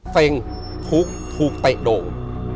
เซงทุกถูกเตะดง